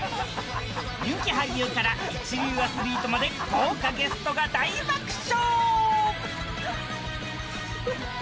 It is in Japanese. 人気俳優から一流アスリートまで豪華ゲストが大爆笑！